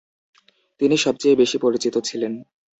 তিনি সবচেয়ে বেশি পরিচিত ছিলেন।